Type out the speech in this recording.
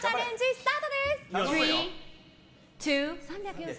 スタートです！